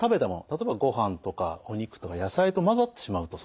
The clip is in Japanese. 例えばごはんとかお肉とか野菜と混ざってしまうと